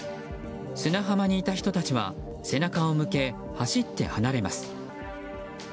砂浜にいた人たちは背中を向け走って離れます。